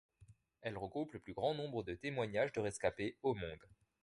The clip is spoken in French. Elle regroupe le plus grand nombre de témoignages de rescapés au monde.